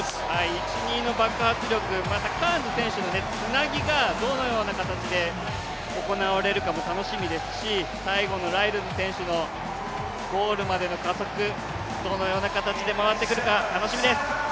１、２の爆発力、またカーンズ選手のつなぎがどのような形で行われるのかも楽しみですし最後のライルズ選手のゴールまでの加速、どのような形で回ってくるか楽しみです。